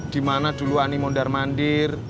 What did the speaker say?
dimana dulu ani mondar mandir